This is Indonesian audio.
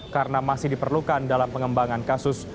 karena masih diperlukan dalam pengembangan kasus